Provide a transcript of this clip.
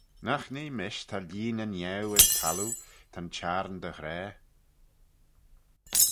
Nagh nee mish ta lhieeney niau as thalloo; ta'n Çhiarn dy ghra.